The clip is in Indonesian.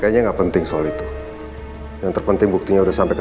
kayaknya nggak penting soal itu yang terpenting buktinya udah sampai ke